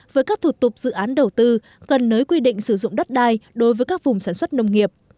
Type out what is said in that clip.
với các thủ tục dự án đầu tư gần nới quy định sử dụng đất đai đối với các vùng sản xuất nông nghiệp